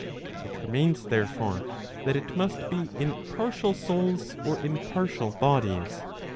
It remains therefore, that it must be in partial souls, or in partial bodies.